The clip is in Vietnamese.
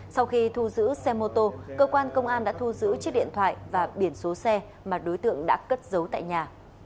sau khi thu giữ xe mô tô cơ quan công an đã thu giữ chiếc điện thoại và biển số xe mà đối tượng đã cất giấu tại nhà